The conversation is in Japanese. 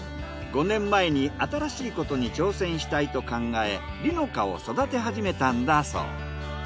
５年前に新しいことに挑戦したいと考え璃の香を育て始めたんだそう。